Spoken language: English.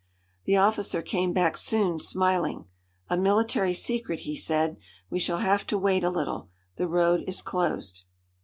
The officer came back soon, smiling. "A military secret!" he said. "We shall have to wait a little. The road is closed."